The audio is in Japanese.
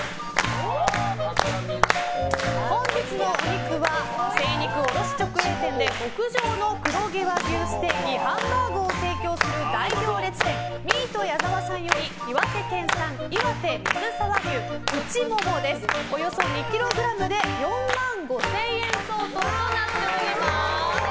本日のお肉は、精肉卸直営店で極上の黒毛和牛ステーキハンバーグを提供する大行列店ミート矢澤さんより岩手県産岩手水沢牛内モモ、およそ２ｋｇで４万５０００円相当となっております。